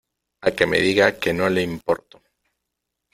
a que me diga que no le importo .